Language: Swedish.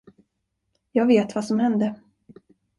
Jag vet vad som hände.